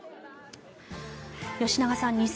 吉永さん